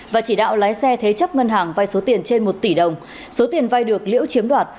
và chỉ đạo lái xe thế chấp ngân hàng vai số tiền trên một tỷ đồng số tiền vai được liễu chiếm đoạt